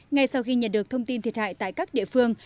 ngay sau khi nhận được thông tin thiệt hại tại các địa phương